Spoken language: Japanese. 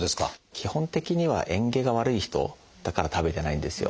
基本的にはえん下が悪い人だから食べてないんですよ。